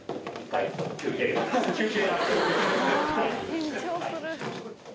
緊張する。